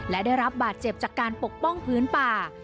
และได้รับบาดเจ็บจากการปกป้องพื้นป่า